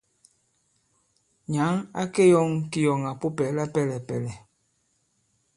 Nyǎŋ a keyɔ̂ŋ kiyɔ̀ŋàpupɛ̀ lapɛlɛ̀pɛ̀lɛ̀.